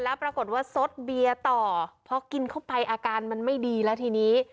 แล้วปรากฏว่าซดเบียร์ต่อพอกินเข้าไปอาการมันไม่ดีแล้วทีนี้